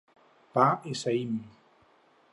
Pa i saïm.